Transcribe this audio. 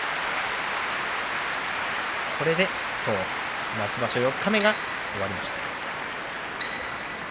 これで今日夏場所四日目が終わりました。